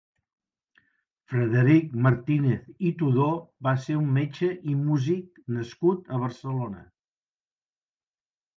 Frederic Martínez i Tudó va ser un metge i músic nascut a Barcelona.